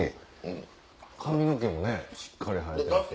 髪の毛もねしっかり生えてて。